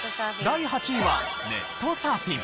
第８位はネットサーフィン。